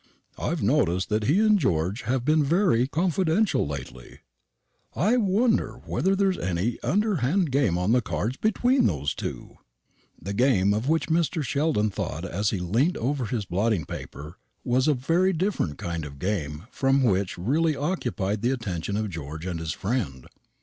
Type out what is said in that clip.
I've noticed that he and George have been very confidential lately. I wonder whether there's any underhand game on the cards between those two." The game of which Mr. Sheldon thought as he leant over his blotting paper was a very different kind of game from that which really occupied the attention of George and his friend.